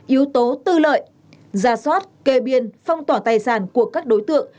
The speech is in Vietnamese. yếu tố tư lợi gia soát kề biên phong tỏa tài sản của các đối tượng